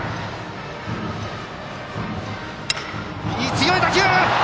強い打球！